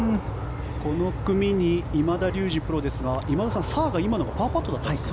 この組に今田竜二プロですが今田さん、サーは今のはパーパットですか。